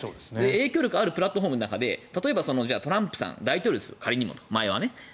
影響力があるプラットフォームの中で例えば、トランプさん大統領ですよ、仮にも前には。